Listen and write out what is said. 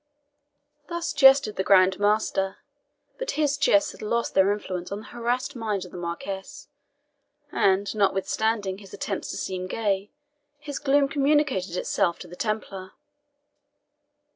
Thus jested the Grand Master. But his jests had lost their influence on the harassed mind of the Marquis, and notwithstanding his attempts to seem gay, his gloom communicated itself to the Templar.